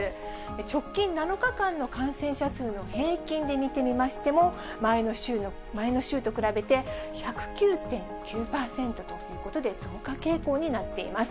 直近７日間の感染者数の平均で見てみましても、前の週と比べて１０９．９％ということで、増加傾向になっています。